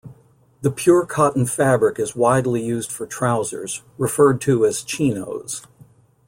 The pure-cotton fabric is widely used for trousers, referred to as chinos.